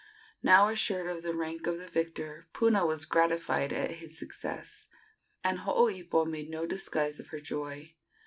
Now assured of the rank of the victor, Puna was gratified at his success, and Hooipo made no disguise of her joy.